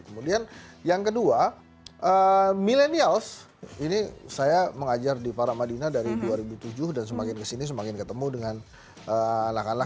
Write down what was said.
kemudian yang kedua milenials ini saya mengajar di paramadinah dari dua ribu tujuh dan semakin kesini semakin ketemu dengan anak anak